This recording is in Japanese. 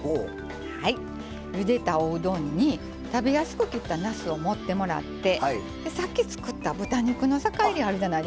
ゆでたおうどんに食べやすく切ったなすを盛ってもらってさっき作った豚肉の酒いりあるじゃないですか。